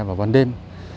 vào con đêm